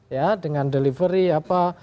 ya dengan delivery apa